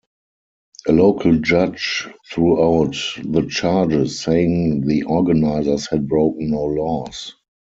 A local judge threw out the charges, saying the organizers had broken no laws.